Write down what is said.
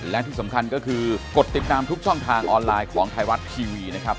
และที่สำคัญก็คือกดติดตามทุกช่องทางออนไลน์ของไทยรัฐทีวีนะครับ